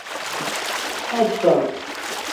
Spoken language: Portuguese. Alto Santo